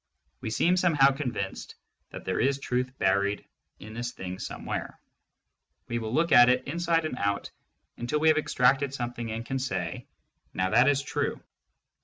We seem somehow convinced that there is truth buried in this thing somewhere. We will look at it inside and out until we have ex tracted something and can say, now that is true.